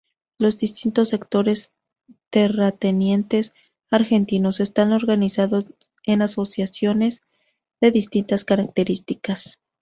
Los distintos sectores terratenientes argentinos, están organizados en asociaciones de distintas características.